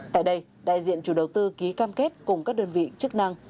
tại đây đại diện chủ đầu tư ký cam kết cùng các đơn vị chức năng